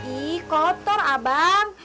ih kotor abang